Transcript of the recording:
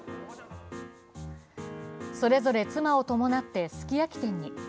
それぞれを妻を伴って、すき焼き店に。